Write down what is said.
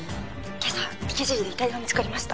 ☎今朝池尻で☎遺体が見つかりました